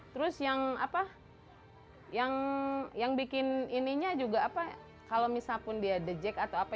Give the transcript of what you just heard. terus yang apa yang bikin ininya juga apa kalau misalpun dia dejek atau apa